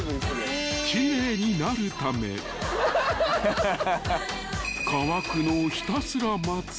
［奇麗になるため乾くのをひたすら待つ］